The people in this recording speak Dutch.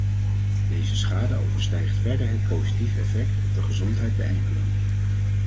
Deze schade overstijgt verre het positieve effect op de gezondheid bij enkelen.